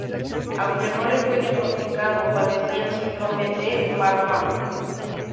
Aunque no le fue diagnosticado, padecía el síndrome de Marfan.